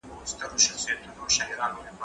زه کالي وچولي دي؟